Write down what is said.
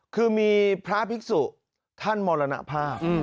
คือมีพระภิกษุท่านมรณภาพ